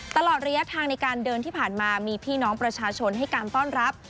ตลอดระยะทางในการเดินที่ผ่านมามีพี่น้องประชาชนให้การต้อนรับ